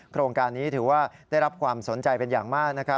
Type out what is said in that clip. โครงการนี้ถือว่าได้รับความสนใจเป็นอย่างมาก